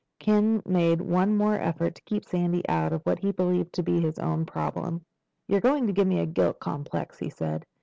Ken made one more effort to keep Sandy out of what he believed to be his own problem. "You're going to give me a guilt complex," he said.